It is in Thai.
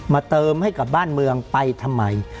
เติมให้กับบ้านเมืองไปทำไม